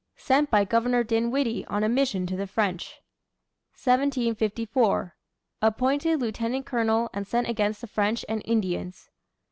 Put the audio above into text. Sent by Governor Dinwiddie on a mission to the French. 1754. Appointed lieutenant colonel and sent against the French and Indians.